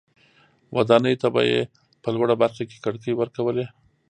ودانیو ته به یې په لوړه برخه کې کړکۍ ورکولې.